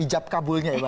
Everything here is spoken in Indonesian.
ijab kabulnya ya